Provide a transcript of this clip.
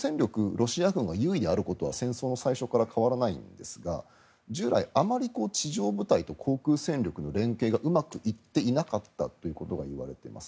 ロシア軍が優位であることは戦争の最初から変わらないんですが従来、あまり地上部隊と航空戦力の連携がうまくいっていなかったということが言われています。